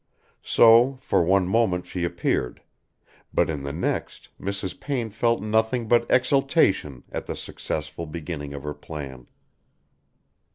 So, for one moment she appeared; but in the next Mrs. Payne felt nothing but exultation at the successful beginning of her plan.